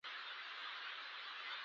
د هوساینې ژوند د ښو اړیکو پر بنسټ دی.